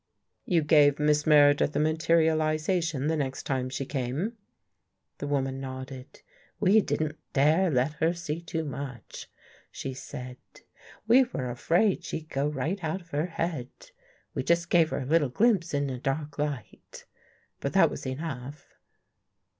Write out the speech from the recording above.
" You gave Miss Meredith a materialization the next time she came? " The woman nodded. " We didn't dare let her see too much," she said. " We were afraid she'd 132 THE FIRST CONFESSION go right out of her head. We just gave her a little glimpse in a dark light. But that was enough."